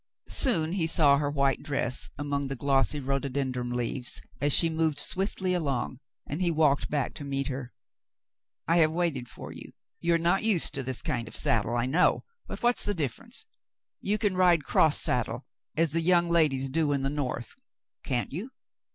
Soon he saw her white dress among the glossy rhododendron leaves as she moved swiftly along, and he walked back to meet her. "I have waited for you. You are not used to this kind of a saddle, I know, but what's the difference ? You can ride cross saddle as the young ladies do in the North, can't vou